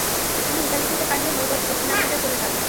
তিনি ইতালি থেকে পালিয়ে নৌপথে দক্ষিণ আমেরিকা চলে যান।